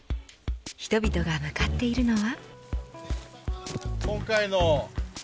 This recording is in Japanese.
人々が向かっているのは。